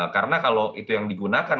karena kalau itu yang digunakan